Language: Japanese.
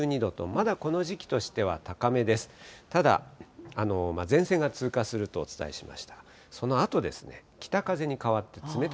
ただ、前線が通過するとお伝えしました。